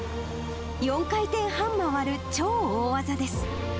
４回転半回る超大技です。